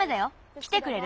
きてくれる？